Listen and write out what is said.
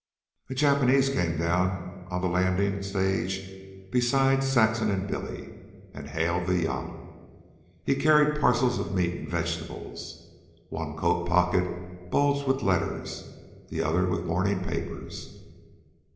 A Japanese came down on the landing stage beside Saxon and Billy, and hailed the yacht. He carried parcels of meat and vegetables; one coat pocket bulged with letters, the other with morning papers.